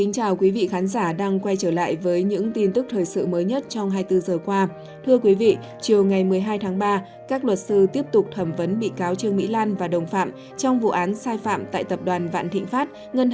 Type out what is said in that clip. các bạn hãy đăng ký kênh để ủng hộ kênh của chúng mình nhé